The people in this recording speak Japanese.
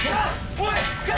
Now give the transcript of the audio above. おい！